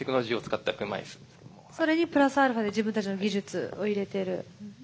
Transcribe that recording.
それにプラスアルファで自分たちの技術を入れてる。